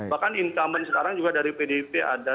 bahkan incumbent sekarang juga dari pdip ada